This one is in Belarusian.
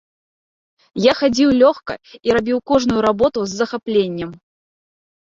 Я хадзіў лёгка і рабіў кожную работу з захапленнем.